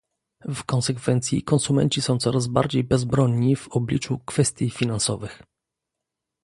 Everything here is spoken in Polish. W konsekwencji konsumenci są coraz bardziej bezbronni w obliczu kwestii finansowych